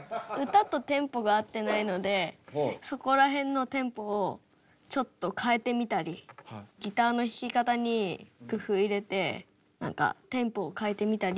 歌とテンポがあってないのでそこら辺のテンポをちょっと変えてみたりギターの弾き方に工夫入れて何かテンポを変えてみたり。